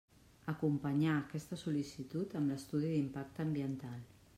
Acompanyà aquesta sol·licitud amb l'estudi d'impacte ambiental.